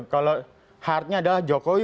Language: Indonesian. kalau hardnya adalah jokowi